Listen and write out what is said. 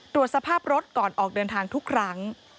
ตรวจสภาพรถก่อนออกเดินทางทุกครั้ง